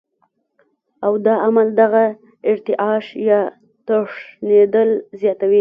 او دا عمل دغه ارتعاش يا تښنېدل زياتوي